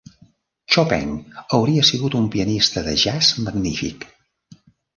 Chopin hauria sigut un pianista de jazz magnífic.